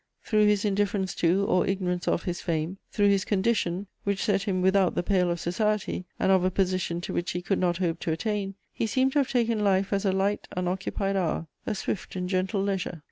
Through his indifference to, or ignorance of, his fame, through his condition, which set him without the pale of society and of a position to which he could not hope to attain, he seemed to have taken life as a light, unoccupied hour, a swift and gentle leisure.